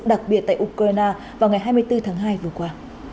đặc biệt tại ukraine vào ngày hai mươi bốn tháng hai vừa qua